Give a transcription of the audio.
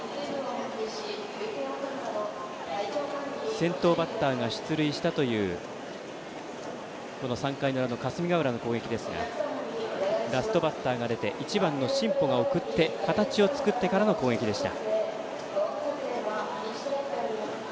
先頭バッターが出塁したという３回の裏の霞ヶ浦の攻撃ですがラストバッターが出て１番の新保が送って形を作ってからの攻撃でした。